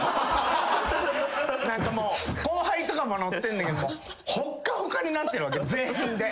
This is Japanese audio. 後輩とかも乗ってんねんけどほっかほかになってるわけよ全員で。